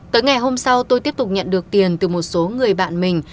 tới ngày hôm sau tôi tiếp tục nhận được tiền từ một số người bạn mình